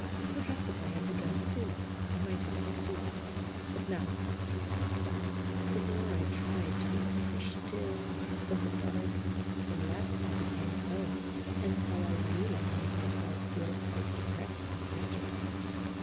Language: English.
Perhaps if I had begun sooner I might have succeeded, but now it was too late. The more I tried to be appre ciative and sympathetic, the less I became so, until I really made myself feel quite depressed and wretched.